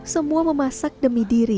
semua memasak demi diri